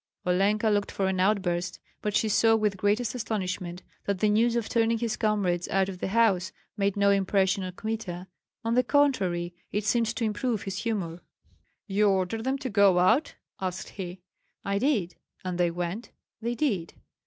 Olenka looked for an outburst; but she saw with greatest astonishment that the news of turning his comrades out of the house made no impression on Kmita; on the contrary, it seemed to improve his humor. "You ordered them to go out?" asked be. "I did." "And they went?" "They did."